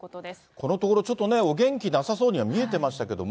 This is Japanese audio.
このところちょっとね、お元気なさそうには見えてましたけども。